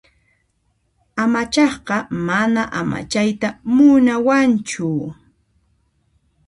Amachaqqa mana amachayta munawanchu.